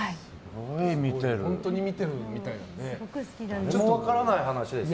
本当に見てるみたいですね。